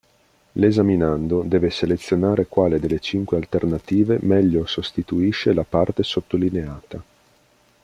L'esaminando deve selezionare quale delle cinque alternative meglio sostituisce la parte sottolineata.